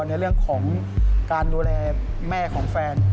ในเรื่องของการดูแลแม่ของแฟน